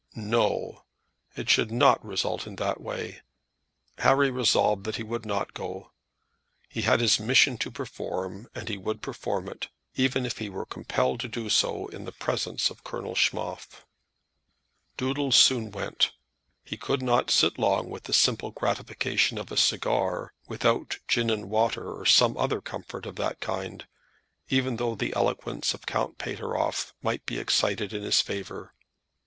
No! It should not result in that way. Harry resolved that he would not go. He had his mission to perform and he would perform it, even if he were compelled to do so in the presence of Colonel Schmoff. Doodles soon went. He could not sit long with the simple gratification of a cigar, without gin and water or other comfort of that kind, even though the eloquence of Count Pateroff might be excited in his favour.